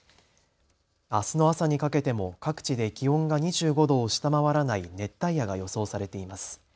あすの朝にかけても各地で気温が２５度を下回らない熱帯夜が予想されています。